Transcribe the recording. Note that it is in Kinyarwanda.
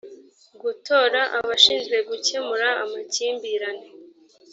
gutora abashinzwe gukemura amakimbirane